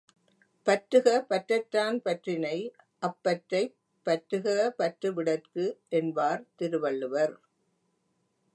பற்றுக பற்றற்றான் பற்றினை அப்பற்றைப் பற்றுக பற்று விடற்கு என்பார் திருவள்ளுவர்.